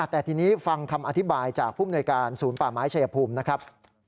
แต่ทีนี้ฟังคำอธิบายจากผู้มนวยการศูนย์ป่าไม้ชายภูมินะครับ